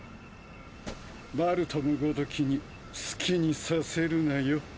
ヴァルトムごときに好きにさせるなよ。